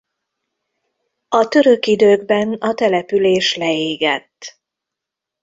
A török időkben a település leégett.